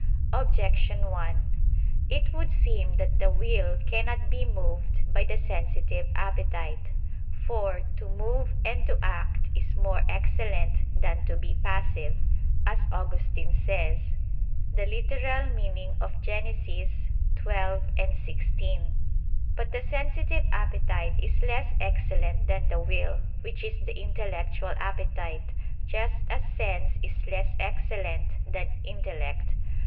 Objection 1: It would seem that the will cannot be moved by the sensitive appetite. For "to move and to act is more excellent than to be passive," as Augustine says (Gen. ad lit. xii, 16). But the sensitive appetite is less excellent than the will which is the intellectual appetite; just as sense is less excellent than intellect.